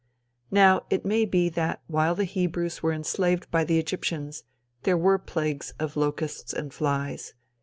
Now, it may be that while the Hebrews were enslaved by the Egyptians, there were plagues of locusts and flies.